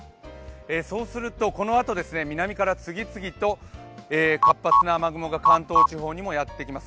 そうするとこのあと、南から次々と活発な雨雲が関東地方にもやってきます。